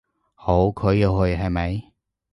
好，佢要去，係咪？